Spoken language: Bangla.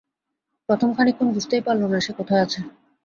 প্রথম খানিকক্ষণ বুঝতেই পারল না, সে কোথায় আছে।